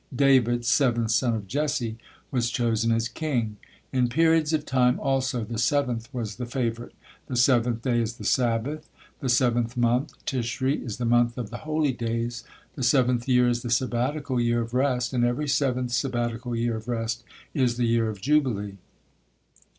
David, seventh son of Jesse, was chosen as king. In periods of time, also, the seventh was the favorite. The seventh day is the Sabbath; the seventh month, Tishri, is the month of the holy days; the seventh year is the Sabbatical year of rest, and every seventh Sabbatical year of rest is the year of jubilee.